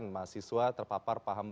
mahasiswa terpapar paham